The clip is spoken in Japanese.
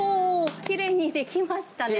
きれいに出来ましたね。